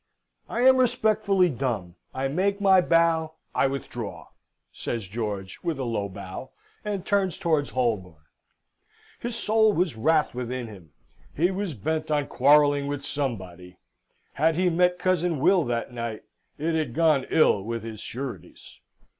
"I am respectfully dumb. I make my bow. I withdraw," says George, with a low bow, and turns towards Holborn. His soul was wrath within him. He was bent on quarrelling with somebody. Had he met cousin Will that night, it had gone ill with his sureties.